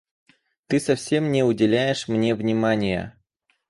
Ты совсем не уделяешь мне внимания!